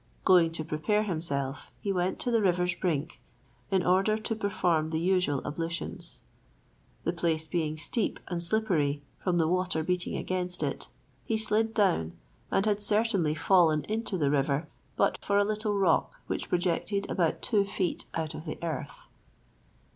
Going to prepare himself, he went to the river's brink, in order to perform the usual ablutions. The place being steep and slippery, from the water beating against it, he slid down, and had certainly fallen into the river, but for a little rock which projected about two feet out of the earth.